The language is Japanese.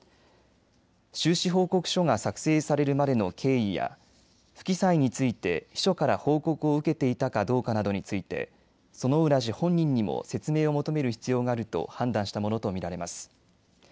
収支報告書が作成されるまでの経緯や不記載について秘書から報告を受けていたかどうかなどについて薗浦氏本人にも説明を求める必要があると判断したものと見られます。